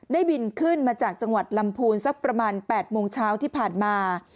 บินขึ้นมาจากจังหวัดลำพูนสักประมาณ๘โมงเช้าที่ผ่านมา